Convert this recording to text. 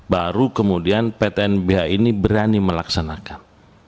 baru kemudian ptnbh ini berani melaksanakan